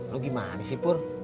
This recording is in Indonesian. lu gimana sih pur